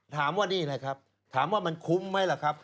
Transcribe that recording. ถามว่านี่แหละครับถามว่ามันคุ้มไหมล่ะครับ